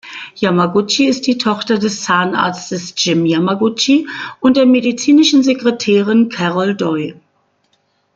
Yamaguchi ist die Tochter des Zahnarztes Jim Yamaguchi und der medizinischen Sekretärin Carole Doi.